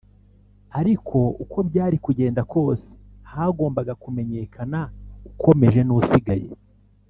ariko uko byari kugenda kose hagombaga kumenyekana ukomeje n’usigaye